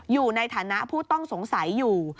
อยู่ในฐานะผู้ต้องสงสัยอยู่